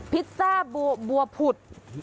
พิซซ่าบัวผุด